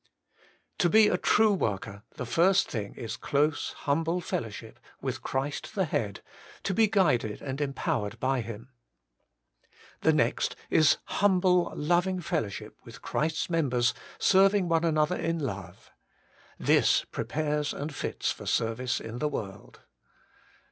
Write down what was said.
1. To be a true worker the first thing is close, humble fellowship with Christ the Head, to be guided and empowered by Him. 2. The next is humble, loving fellowship with Christ's members serving one another in love. 3. This prepares and fits for service in the world.